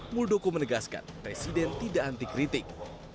muldoko menegaskan presiden tidak anti kritik